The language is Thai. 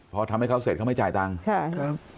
พอทำให้เขาเสร็จเขาไม่จ่ายตังค์ใช่ครับ